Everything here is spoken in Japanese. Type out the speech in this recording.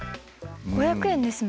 ５００円ですもんね。